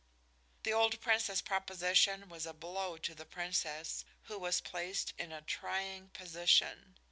The old Prince's proposition was a blow to the Princess, who was placed in a trying position.